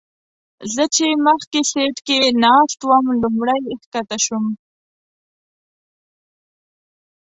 زه چې مخکې سیټ کې ناست وم لومړی ښکته شوم.